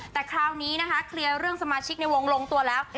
แต่คราวนี้นะคะเคลียร์เรื่องสมาชิกในวงลงตัวแล้ว